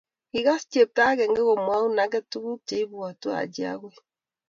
Kigas chepto akenge komwoune age tukuk cheibwatu Haji okoi